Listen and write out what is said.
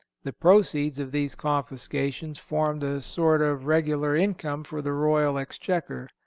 The proceeds of these confiscations formed a sort of regular income for the royal exchequer.